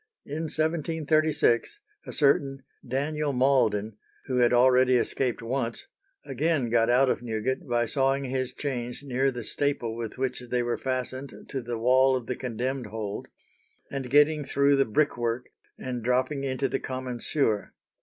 In 1736, a certain Daniel Malden, who had already escaped once, again got out of Newgate, by sawing his chains near the staple with which they were fastened to the wall of the condemned hold and getting through the brickwork and dropping into the common sewer.